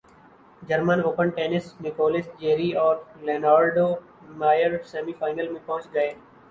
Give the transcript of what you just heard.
German Open tennis Nicolas Jarry اور Leonardo Mayer semi final میں پہنچ گئے